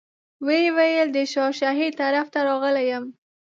ویې ویل د شاه شهید طرف ته راغلی یم.